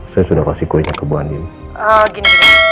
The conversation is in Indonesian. saya sudah kasih kue ke bu andien